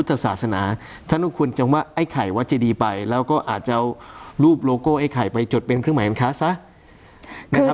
ถ้านังควรจนไว้ไข่วัดเจดีไปแล้วก็อาจจะรูปโลโก้ไอ้ไข่ไปจดเป็นเครื่องหมายมันค่ะ